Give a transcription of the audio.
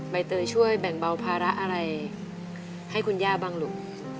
ใบเตยช่วยแบ่งเบาภาระอะไรให้คุณย่าบ้างลูก